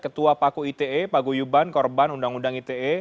ketua paku ite pak guyuban korban undang undang ite